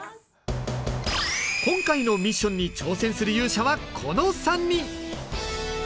今回ミッションに挑戦する勇者はこの３人。